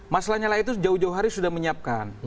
masalahnya lah itu jauh jauh hari sudah menyiapkan